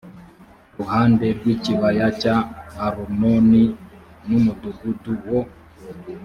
ruhande rw ikibaya cya arunoni n umudugudu wo